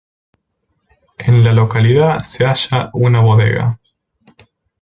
En la localidad se halla una bodega.